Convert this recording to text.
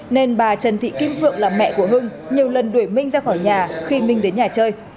nên bà trần thị kim phượng là mẹ của hưng nhiều lần đuổi minh ra khỏi nhà khi minh đến nhà chơi